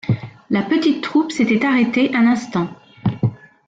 La petite troupe s’était arrêtée un instant.